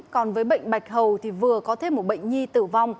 còn với bệnh bạch hầu thì vừa có thêm một bệnh nhi tử vong